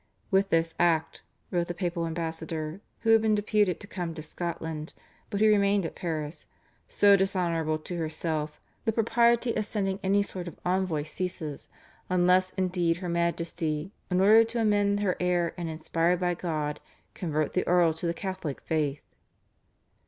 "With this act," wrote the papal ambassador who had been deputed to come to Scotland but who remained at Paris, "so dishonourable to herself, the propriety of sending any sort of envoy ceases unless indeed her Majesty, in order to amend her error and inspired by God, convert the Earl to the Catholic faith."